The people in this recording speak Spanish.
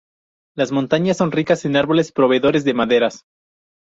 Las montañas son ricas en árboles proveedores de maderas.